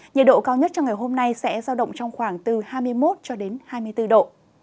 nhiệt độ cao nhất trong ngày hôm nay sẽ giao động trong khoảng từ hai mươi một cho đến hai mươi bốn độ